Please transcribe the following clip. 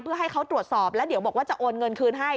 เพื่อให้เขาตรวจสอบแล้วเดี๋ยวบอกว่าจะโอนเงินคืนให้